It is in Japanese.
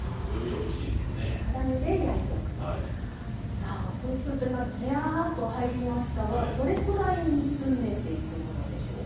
さあそうすると今ジャーっと入りましたがどれくらい煮詰めていくものでしょうか？